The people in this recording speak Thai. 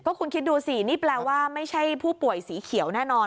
คุณคิดดูสินี่แปลว่าไม่ใช่ผู้ป่วยสีเขียวแน่นอน